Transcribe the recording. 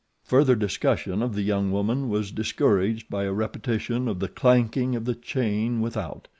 Further discussion of the young woman was discouraged by a repetition of the clanking of the chain without.